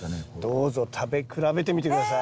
どうぞ食べ比べてみて下さい。